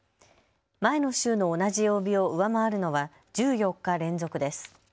前の週の同じ曜日を上回るのは１４日連続です。